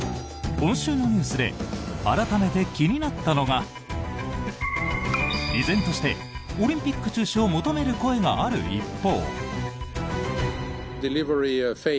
今週のニュースで改めて気になったのが依然として、オリンピック中止を求める声がある一方。